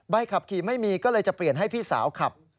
ขับขี่ไม่มีก็เลยจะเปลี่ยนให้พี่สาวขับ